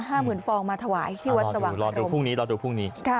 ห้าหมื่นฟองมาถวายรอดูรอดูพรุ่งนี้รอดูพรุ่งนี้ค่ะ